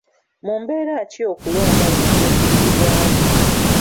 Mu mbeera ki okulonda lwe kuddibwaamu?